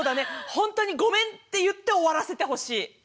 「本当にごめん」って言って終わらせてほしい。